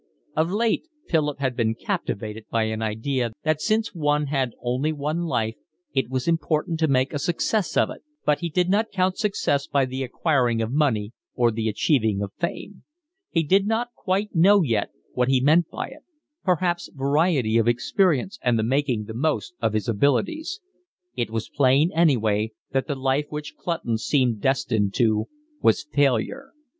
Of late Philip had been captivated by an idea that since one had only one life it was important to make a success of it, but he did not count success by the acquiring of money or the achieving of fame; he did not quite know yet what he meant by it, perhaps variety of experience and the making the most of his abilities. It was plain anyway that the life which Clutton seemed destined to was failure.